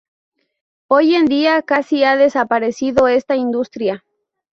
Hoy en día casi ha desaparecido esta industria.